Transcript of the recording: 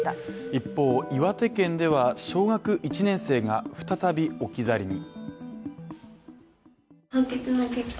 一方、岩手県では小学１年生が再び置き去りに。